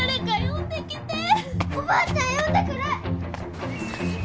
おばあちゃん呼んでくる！